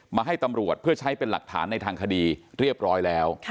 ให้ตำรวจเพื่อใช้เป็นหลักฐานในทางคดีเรียบร้อยแล้ว